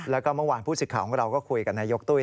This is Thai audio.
แล้วก็เมื่อวานผู้สิทธิ์ของเราก็คุยกับนายกตุ้ย